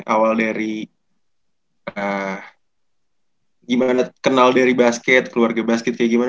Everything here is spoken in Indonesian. awal dari gimana kenal dari basket keluarga basket kayak gimana